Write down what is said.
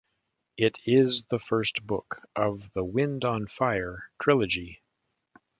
It is the first book of the "Wind On Fire" Trilogy.